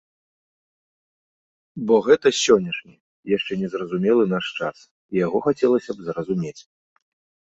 Бо гэта сённяшні, яшчэ незразумелы наш час, і яго хацелася б зразумець.